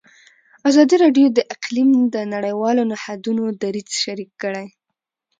ازادي راډیو د اقلیم د نړیوالو نهادونو دریځ شریک کړی.